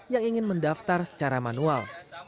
yang ingin mendaftar secara manual